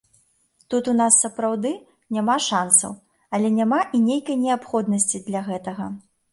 Тут у нас, сапраўды, няма шансаў, але няма і нейкай неабходнасці для гэтага.